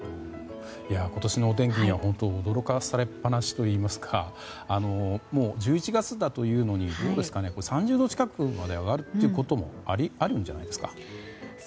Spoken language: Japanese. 今年のお天気には本当驚かされっぱなしといいますかもう、１１月だというのに３０度近くまで上がることもあるんじゃないんですか？